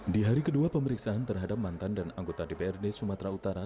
di hari kedua pemeriksaan terhadap mantan dan anggota dprd sumatera utara